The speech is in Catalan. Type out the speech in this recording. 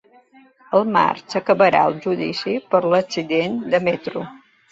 Al març s'acabarà el judici per l'accident de metro